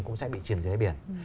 cũng sẽ bị chìm dưới đáy biển